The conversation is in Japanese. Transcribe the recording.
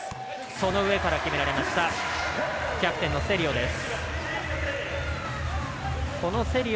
その上から決められましたキャプテンのセリオ。